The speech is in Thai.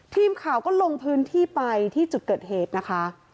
ทีมข่าวก็ลงพื้นที่ไปที่จุดเกิดเหตุนะคะ